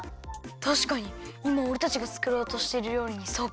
たしかにいまおれたちがつくろうとしてるりょうりにそっくり！